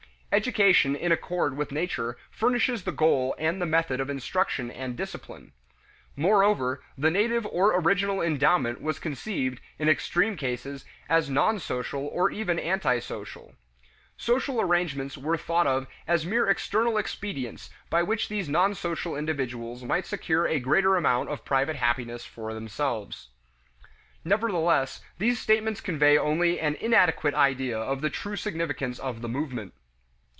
Education in accord with nature furnishes the goal and the method of instruction and discipline. Moreover, the native or original endowment was conceived, in extreme cases, as nonsocial or even as antisocial. Social arrangements were thought of as mere external expedients by which these nonsocial individuals might secure a greater amount of private happiness for themselves. Nevertheless, these statements convey only an inadequate idea of the true significance of the movement.